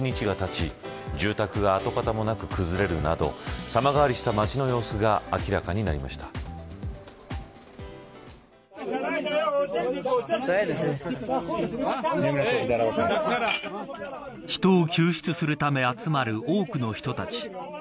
発生から１日がたち住宅が跡形もなく崩れるなど様変わりした街の様子が人を救出するため集まる多くの人たち。